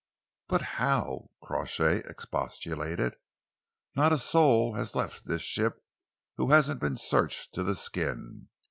"But how?" Crawshay expostulated. "Not a soul has left this ship who hasn't been searched to the skin.